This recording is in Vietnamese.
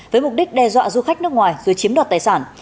với mục đích đe dọa du khách nước ngoài dưới chiếm đoạt tài sản